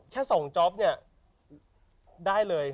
แค่๒จ๊อปเนี่ยได้เลย